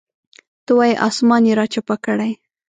ته وایې اسمان یې راچپه کړی.